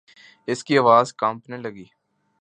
اس کی آواز کانپنے لگی۔